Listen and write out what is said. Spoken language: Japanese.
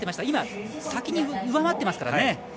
今、上回っていますからね。